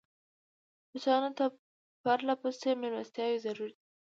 پاچایانو ته پرله پسې مېلمستیاوې ضروري وې.